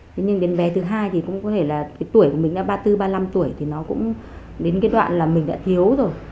thế nhưng đến bé thứ hai thì cũng có thể là cái tuổi của mình đã ba mươi bốn ba mươi năm tuổi thì nó cũng đến cái đoạn là mình đã thiếu rồi